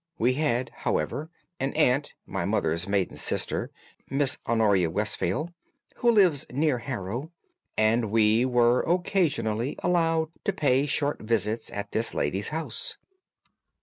We had, however, an aunt, my mother's maiden sister, Miss Honoria Westphail, who lives near Harrow, and we were occasionally allowed to pay short visits at this lady's house.